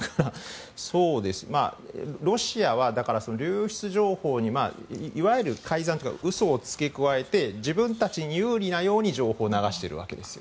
ロシアは流出情報にいわゆる改ざんというか嘘を付け加えて自分たちに有利なように情報を流しているわけです。